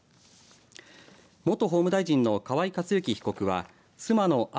元法務大臣の河井克行被告は妻の案